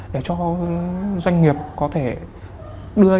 để cho doanh nghiệp có thể đưa ai vào